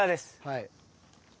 はい。